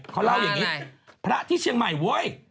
เขาเล่าอย่างนี้พระที่เชียงใหม่เว้ย